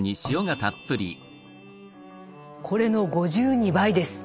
これの５２倍です！